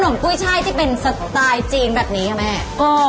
สนุกกุ้งชายที่เป็นสไตล์จีนแบบนี้ไหม